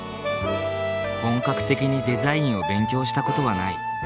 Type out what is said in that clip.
本格的にデザインを勉強した事はない。